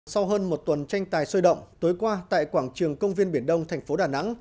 sau hơn một tuần tranh tài sôi động tối qua tại quảng trường công viên biển đông thành phố đà nẵng